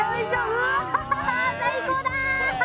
うわ最高だ！